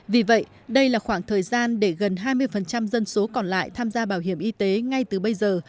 vì vậy đây là khoảng thời gian để gần hai mươi dân số còn lại tham gia bảo hiểm y tế ngay từ bây giờ